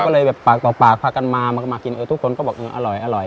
ก็เลยแบบปากต่อปากพากันมามากันมากินเออทุกคนก็บอกเอออร่อย